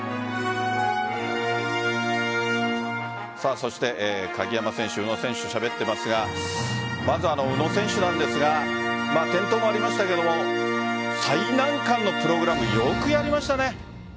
そして鍵山選手宇野選手、しゃべっていますがまず宇野選手なんですが転倒もありましたが最難関のプログラムよくやりましたね。